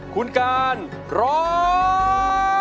คุณการร้อง